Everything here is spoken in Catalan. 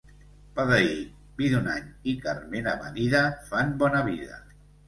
Pa d'ahir, vi d'un any i carn ben amanida fan bona vida.